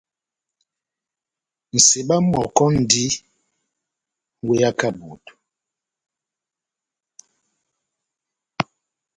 Nʼseba mɔkɔ múndi múweyaka moto.